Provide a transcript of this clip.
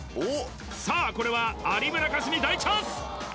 さあこれは有村架純大チャンス！